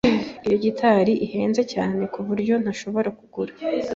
Iyi gitari ihenze cyane kuburyo ntashobora kugura.